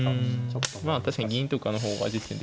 まあ確かに銀とかの方が実戦的ですか。